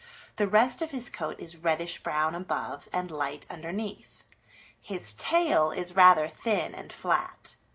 The rest of his coat is reddish brown above and light underneath. His tail is rather thin and flat.